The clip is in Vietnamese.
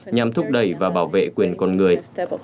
nhằm thúc đẩy và bảo vệ quyền con người